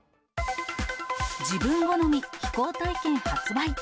自分好み、飛行体験発売。